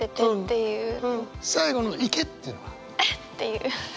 最後の「いけ！！！」っていうのは？っていう。